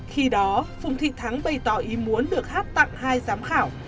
khi đó phùng thị thắng bày tỏ ý muốn được hát tặng hai giám khảo